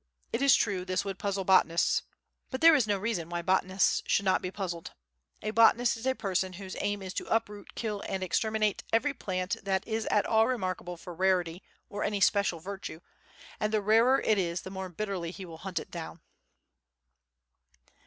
It is true, this would puzzle botanists, but there is no reason why botanists should not be puzzled. A botanist is a person whose aim is to uproot, kill and exterminate every plant that is at all remarkable for rarity or any special virtue, and the rarer it is the more bitterly he will hunt it down.